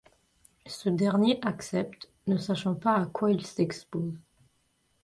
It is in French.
Ce dernier accepte, ne sachant pas à quoi il s'expose...